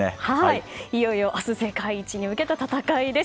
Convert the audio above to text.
いよいよ明日世界一に向けた戦いです。